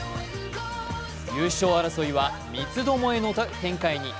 優勝争いは三つどもえの展開に。